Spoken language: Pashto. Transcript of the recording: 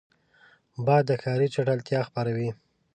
باد د ښاري چټلتیا خپروي